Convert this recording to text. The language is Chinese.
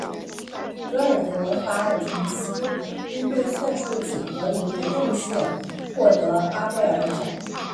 格尔德·法尔廷斯（图）因对算术几何领域的贡献获得阿贝尔奖。